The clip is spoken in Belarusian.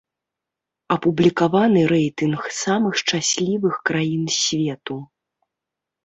Апублікаваны рэйтынг самых шчаслівых краін свету.